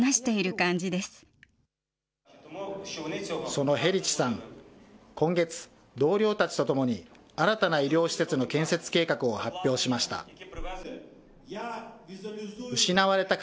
そのヘリチさん、今月、同僚たちとともに新たな医療施設の建設計画を発表しました。